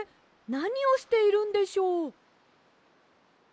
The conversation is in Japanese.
なにをしているんでしょう？